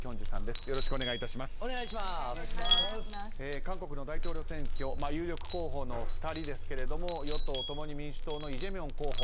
韓国の大統領選挙有力候補の２人ですけれども与党・共に民主党のイ・ジェミョン候補。